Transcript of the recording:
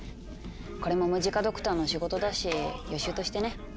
これもムジカドクターの仕事だし予習としてね。